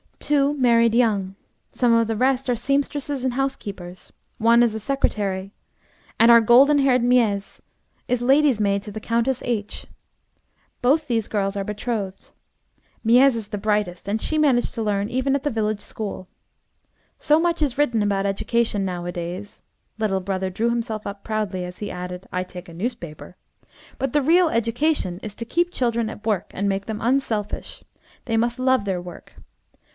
Two married young. Some of the rest are seamstresses and housekeepers. One is a secretary, and our golden haired Miez is lady's maid to the Countess H . Both these girls are betrothed. Miez is the brightest, and she managed to learn, even at the village school. So much is written about education nowadays," (little brother drew himself up proudly as he added, "I take a newspaper,") "but the real education is to keep children at work and make them unselfish. They must love their work.